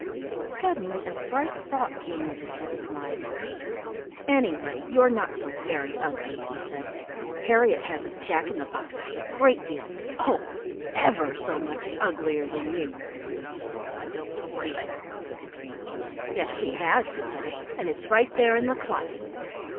Suddenly a bright thought came into Teddy's mind. "Anyway, you're not so very ugly," he said. "Harriet has a Jack in the box that's a great deal—oh! ever so much uglier than you." "I don't believe it," said the dream. "Yes, she has," said Teddy; "and it's right there in the closet."